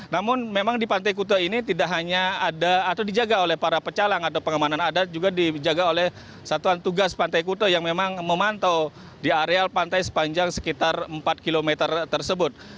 namun memang di pantai kuto ini tidak hanya ada atau dijaga oleh para pecalang atau pengamanan adat juga dijaga oleh satuan tugas pantai kute yang memang memantau di areal pantai sepanjang sekitar empat km tersebut